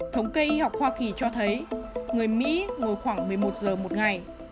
thống kê y học hoa kỳ cho thấy người mỹ ngồi khoảng một mươi một giờ một ngày